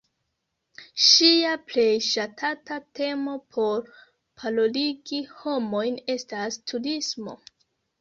Ŝia plej ŝatata temo por paroligi homojn estas "turismo".